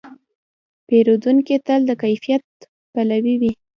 پیرودونکی تل د کیفیت پلوي وي.